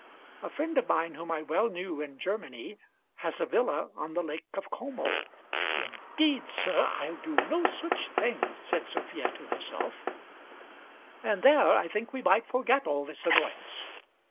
A friend of mine whom I well knew in Germany, has a villa on the Lake of Como, "Indeed, sir, I'll do no such thing," said Sophia to herself, and there I think we might forget all this annoyance.